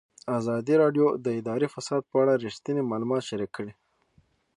ازادي راډیو د اداري فساد په اړه رښتیني معلومات شریک کړي.